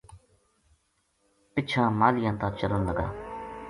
پَچھاں ماہلیاں تا چلن لگا